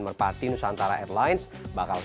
merpati nusantara airlines bakal